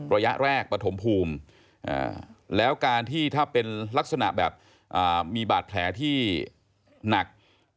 ระยะแรกปฐมภูมิแล้วการที่ถ้าเป็นลักษณะแบบมีบาดแผลที่หนัก